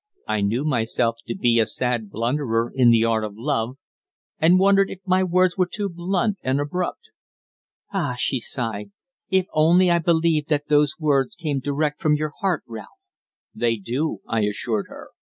I knew myself to be a sad blunderer in the art of love, and wondered if my words were too blunt and abrupt. "Ah!" she sighed. "If only I believed that those words came direct from your heart, Ralph!" "They do," I assured her.